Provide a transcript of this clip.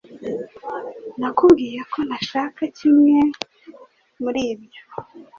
Nakubwiye ko ntashaka kimwe muri ibyo